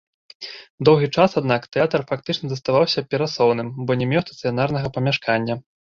Доўгі час, аднак, тэатр фактычна заставаўся перасоўным, бо не меў стацыянарнага памяшкання.